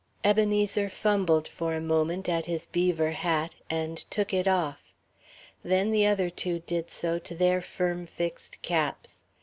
Ebenezer fumbled for a moment at his beaver hat, and took it off. Then the other two did so to their firm fixed caps.